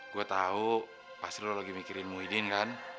gue tau pas lo lagi mikirin muidin kan